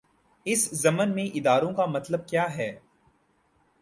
اس ضمن میں اداروں کا مطلب کیا ہے؟